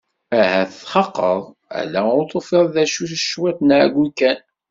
Ahat txaqeḍ? Ala ur tufiḍ d acu, d cwiṭ n ɛeyyu kan.